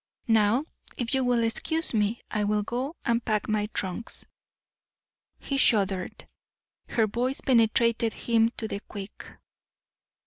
Now, if you will excuse me, I will go and pack my trunks." He shuddered; her voice penetrated him to the quick.